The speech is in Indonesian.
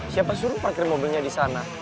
siapa suruh parkir mobilnya di sana